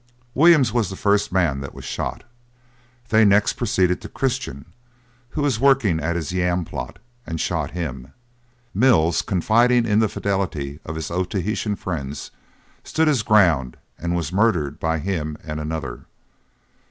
Williams was the first man that was shot. They next proceeded to Christian, who was working at his yam plot, and shot him. Mills, confiding in the fidelity of his Otaheitan friend, stood his ground, and was murdered by him and another.